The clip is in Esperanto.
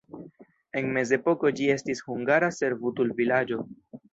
En mezepoko ĝi estis hungara servutulvilaĝo.